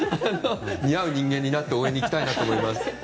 似合う人間になって応援に行きたいと思います。